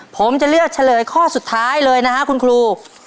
ผมจะเลือกเฉลยข้อสุดท้ายเลยนะฮะคุณครู